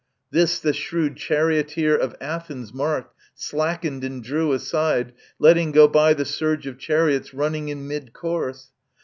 This the shrewd charioteer of Athens marked, Slackened and drew aside, letting go by The surge of chariots running in mid course.